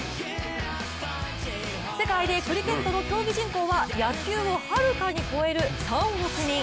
世界でクリケットの競技人口は野球を遥かに超える３億人。